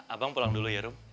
abang pulang dulu ya rum